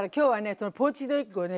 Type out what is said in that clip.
そのポーチドエッグをね